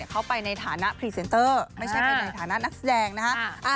เขาไปในฐานะพรีเซนเตอร์ไม่ใช่ไปในฐานะนักแสดงนะฮะ